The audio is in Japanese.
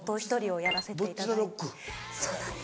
そうなんです。